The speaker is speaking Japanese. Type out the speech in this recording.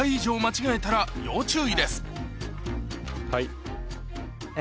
はい。